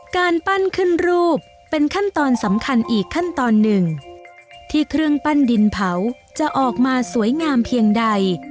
การปั้นขึ้นรูปเป็นขั้นตอนสำคัญอีกขั้นตอนหนึ่งที่เครื่องปั้นดินเผาจะออกมาสวยงามเพียงใด